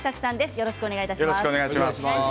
よろしくお願いします。